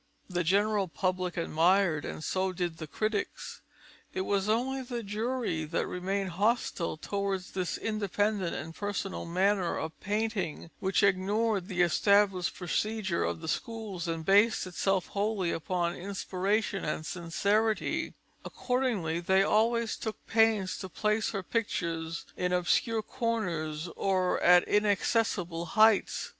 The general public admired, and so did the critics. It was only the jury that remained hostile towards this independent and personal manner of painting, which ignored the established procedure of the schools and based itself wholly upon inspiration and sincerity; accordingly, they always took pains to place her pictures in obscure corners or at inaccessible heights.